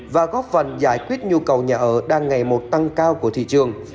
và góp phần giải quyết nhu cầu nhà ở đang ngày một tăng cao của thị trường